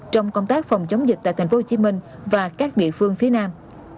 trong công tác phòng chống dịch tại tp hcm và các địa phương phía nam